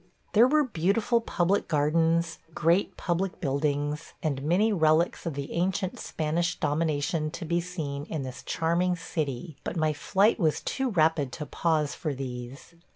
There were beautiful public gardens, great public buildings, and many relics of the ancient Spanish domination to be seen in this charming city, but my flight was too rapid to pause for these.